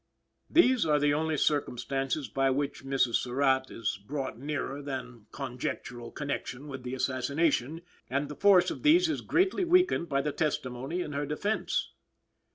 These are the only circumstances by which Mrs. Surratt is brought nearer than conjectural connection with the assassination, and the force of these is greatly weakened by the testimony in her defense.